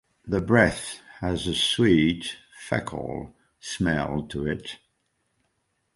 The breath has a sweet, fecal smell to it.